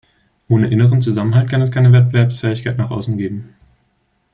Ohne inneren Zusammenhalt kann es keine Wettbewerbsfähigkeit nach außen geben.